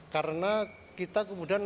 karena kita kemudian